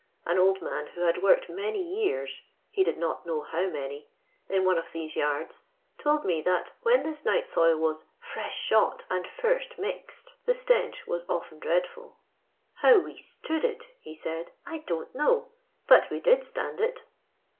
An old man who had worked many years— he did not know how many — in one of these yards, told me that when this night soil was fresh shot and first mixed " (with the hops, &c.), the stench was often dreadfhL How we stood it," he said, I don't know ; but we did stand it."